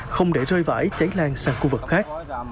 không để rơi vải cháy lan sang khu vực khác